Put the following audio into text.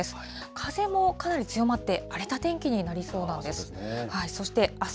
風もかなり強まって、荒れた天気になりそうなんです。